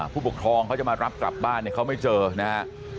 ผู้ปกครองเขาจะมารับกลับบ้านเนี่ยเขาไม่เจอนะฮะ